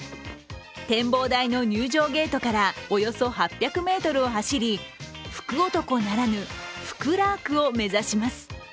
展望台の入場ゲートからおよそ８００ｍを走り、福男ならぬ、福ラークを目指します。